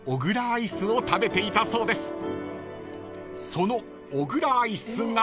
［その小倉アイスが］